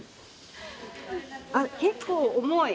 あっ結構重い。